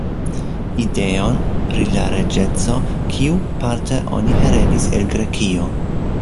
Ideon, pri la reĝeco, kiu, parte, oni heredis el Grekio.